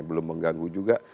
belum mengganggu juga